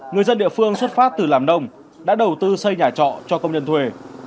người dân địa phương xuất phát từ làm nông đã đầu tư xây nhà trọ cho công nhân thuê